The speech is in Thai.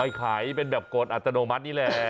ขายเป็นแบบกฎอัตโนมัตินี่แหละ